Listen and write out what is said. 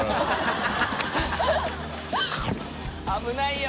危ないよ！